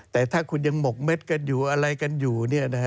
แต่ถ้าคุณยังหมกเม็ดกันอยู่อะไรกันอยู่